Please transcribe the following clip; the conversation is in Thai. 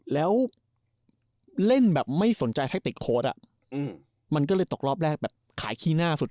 แล้วเล่นแบบไม่สนใจแทคติกโค้ดอ่ะมันก็เลยตกรอบแรกแบบขายขี้หน้าสุด